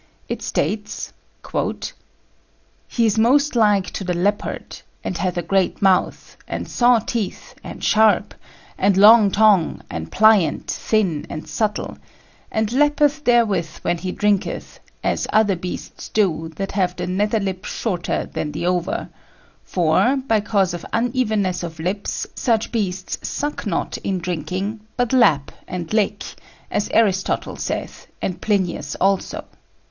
It states: "He is most like to the leopard, and hath a great mouthe, and saw teeth and sharp, and long tongue, and pliant, thin, and subtle; and lappeth therewith when he drinketh, as other beasts do, that have the nether lip shorter than the over; for, by cause of unevenness of lips, such beasts suck not in drinking, but lap and lick, as Aristotle saith and Plinius also.